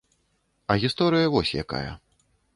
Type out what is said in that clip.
А гісторыя вось якая.